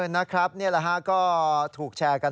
นะครับเนี่ยแหละฮะก็ถูกแชร์กัน